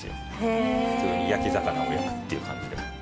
普通に焼き魚を焼くっていう感じで。